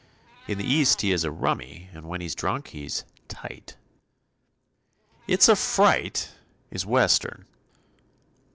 In the East he is a "rummy" and when he's drunk he's "tight." "It's a fright," is Western.